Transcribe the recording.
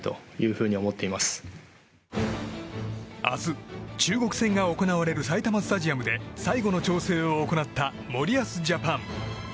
明日、中国戦が行われる埼玉スタジアムで最後の調整を行った森保ジャパン。